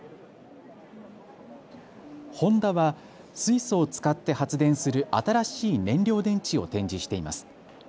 ホンダは水素を使って発電する新しい燃料電池を展示しています。